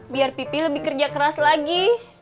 biar pipi lebih kerja keras lagi